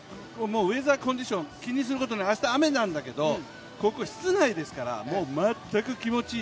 ウェザーコンディション、気にすることない、明日雨なんですけど室内ですから、全く気持ちいい。